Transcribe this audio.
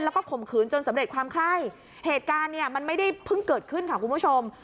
แล้วก็ข่มขืนจนสำเร็จความไคร้เหตุการณ์เนี่ยมันไม่ได้เพิ่งเกิดขึ้นค่ะคุณผู้ชม